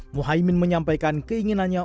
mohaimin menyampaikan keinginannya